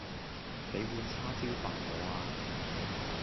比碗叉燒飯我呀